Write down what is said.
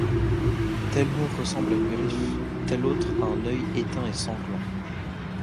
Tel mot ressemble à une griffe, tel autre à un oeil éteint et sanglant.